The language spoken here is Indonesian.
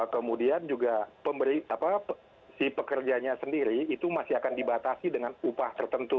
kemudian juga si pekerjanya sendiri itu masih akan dibatasi dengan upah tertentu